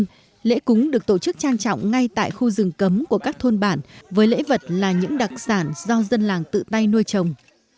trong đó lễ cúng được tổ chức trang trọng ngay tại khu rừng cấm của các thôn bản với lễ vật là những đặc sản do dân làng tự tay nuôi trồng